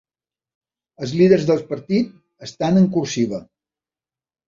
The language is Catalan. Els líders del partit estan en cursiva.